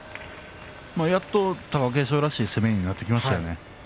やっと貴景勝らしい攻めになりましたね。